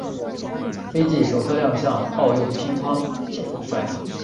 斐济首次亮相奥运乒乓球赛场。